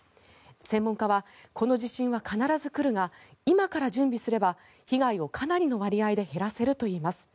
専門家はこの地震は必ず来るが今から準備すれば被害をかなりの割合で減らせるといいます。